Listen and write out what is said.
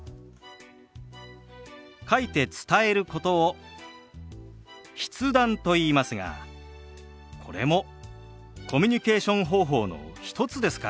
書いて伝えることを「筆談」といいますがこれもコミュニケーション方法の一つですから。